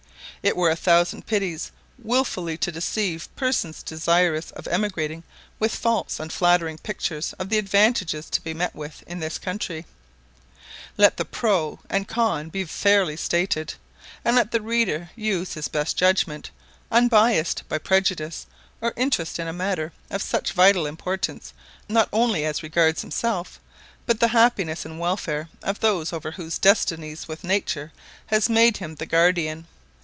It were a thousand pities wilfully to deceive persons desirous of emigrating with false and flattering pictures of the advantages to be met with in this country. Let the pro and con be fairly stated, and let the reader use his best judgment, unbiassed by prejudice or interest in a matter of such vital importance not only as regards himself, but the happiness and welfare of those over whose destinies Nature has made him the guardian.